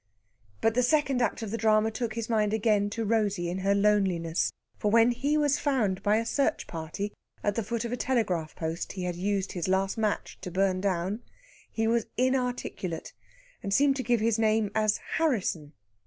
But the second act of the drama took his mind again to Rosey in her loneliness; for when he was found by a search party at the foot of a telegraph post he had used his last match to burn down, he was inarticulate, and seemed to give his name as Harrisson.